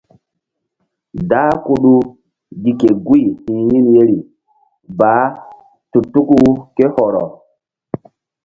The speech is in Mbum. Dah Kudu gi ke guy hi̧ yin yeri baah tu tuku ké hɔrɔ.